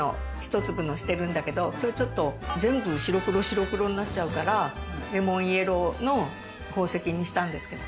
今日ちょっと全部白黒白黒になっちゃうからレモンイエローの宝石にしたんですけど。